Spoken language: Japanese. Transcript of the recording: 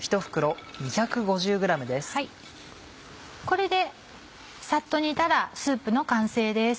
これでサッと煮たらスープの完成です。